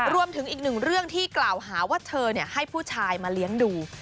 รวมถึงอีกหนึ่งเรื่องที่กล่าวหาว่าเธอให้ผู้ชายมาเลี้ยงดู